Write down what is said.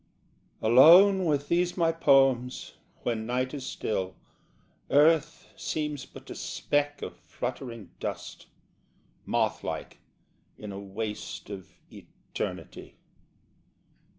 _ Alone with these my poems, when night is still, Earth seems but a speck of fluttering dust, Moth like, in a waste of eternity.